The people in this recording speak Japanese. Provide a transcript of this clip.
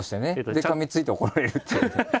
でかみついて怒られるっていう。